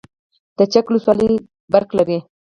د چک ولسوالۍ بریښنا لري